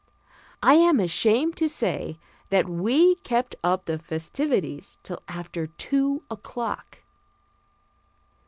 I am ashamed to say that we kept up the festivities till after two o'clock.